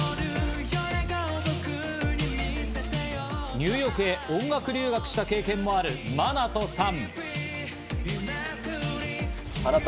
ニューヨークへ音楽留学した経験もあるマナトさん。